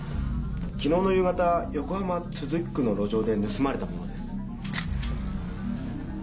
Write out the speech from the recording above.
昨日の夕方横浜都筑区の路上で盗まれたものです。